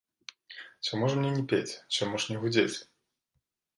Чаму ж мне не пець, чаму ж не гудзець?